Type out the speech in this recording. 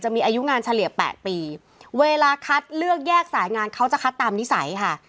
มีอายุงานเฉลี่ยแปดปีเวลาคัดเลือกแยกสายงานเขาจะคัดตามนิสัยค่ะ